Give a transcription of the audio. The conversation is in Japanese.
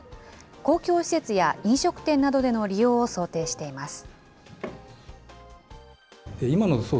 公共施設や飲食店などでの利用を想定しています。